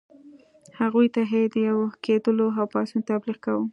هغوی ته یې د یو کېدلو او پاڅون تبلیغ کاوه.